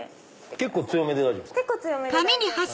結構強めで大丈夫です。